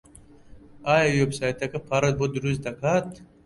ئایا وێبسایتەکەت پارەت بۆ دروست دەکات؟